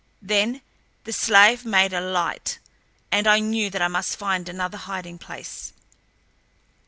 Then the slave made a light, and I knew that I must find another hiding place.